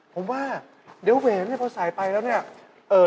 ผมว่าเดี๋ยวเวรพอสายไปแล้วนี่